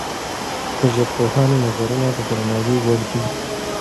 د ژبپوهانو نظرونه د درناوي وړ دي.